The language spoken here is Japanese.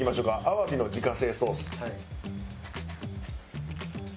アワビの自家製ソース。